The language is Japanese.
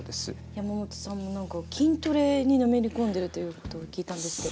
山本さんも何か筋トレにのめり込んでるということを聞いたんですけど。